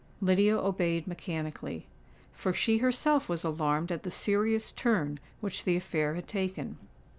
Lydia obeyed mechanically; for she herself was alarmed at the serious turn which the affair had taken.